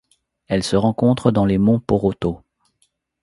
Elle se rencontre dans les monts Poroto.